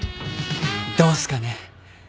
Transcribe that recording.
どうっすかね？